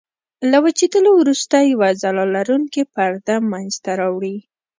له وچېدلو وروسته یوه ځلا لرونکې پرده منځته راوړي.